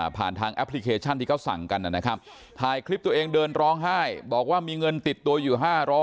ทางแอปพลิเคชันที่เขาสั่งกันนะครับถ่ายคลิปตัวเองเดินร้องไห้บอกว่ามีเงินติดตัวอยู่๕๐๐